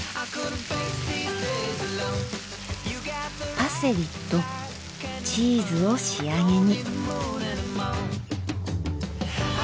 パセリとチーズを仕上げに。